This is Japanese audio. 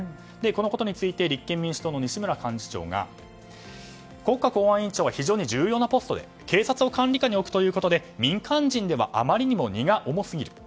このことについて立憲民主党の西村幹事長が国家公安委員長は非常に重要なポストであり警察を管理下に置くということで民間人ではあまりに荷が重すぎる。